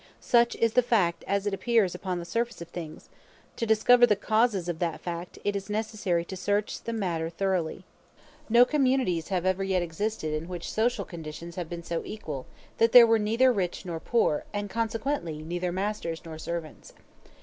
Such is the fact as it appears upon the surface of things: to discover the causes of that fact, it is necessary to search the matter thoroughly. No communities have ever yet existed in which social conditions have been so equal that there were neither rich nor poor, and consequently neither masters nor servants.